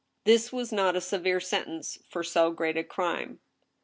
This was not a severe sentence for so great a crime.